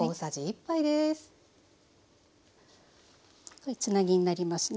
これつなぎになりますね。